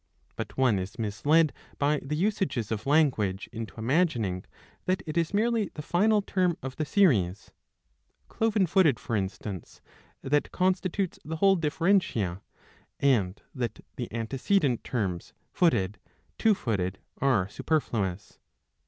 But one is misled by the usages of language into imagining that it is merely the final term of the series, Cloven footed for instance, that constitutes the whole differentia, and that the antecedent terms, Footed, Two footed, are super fluous.